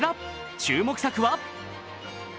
注目作は？